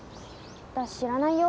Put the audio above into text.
私知らないよ。